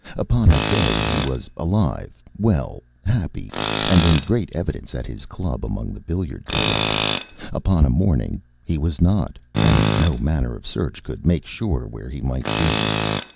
Upon a day he was alive, well, happy, and in great evidence at his club, among the billiard tables. Upon a morning he was not, and no manner of search could make sure where he might be.